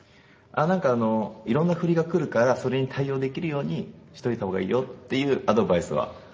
なんか「色んな振りがくるからそれに対応できるようにしといた方がいいよ」っていうアドバイスははい。